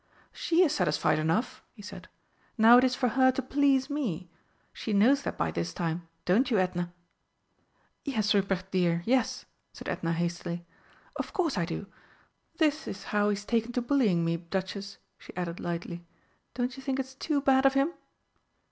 "She is satisfied enough," he said. "Now it is for her to please me. She knows that by this time don't you, Edna?" "Yes, Ruprecht dear, yes," said Edna, hastily. "Of course I do. This is how he's taken to bullying me, Duchess," she added lightly. "Don't you think it's too bad of him?"